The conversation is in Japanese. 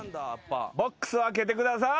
ボックス開けてください。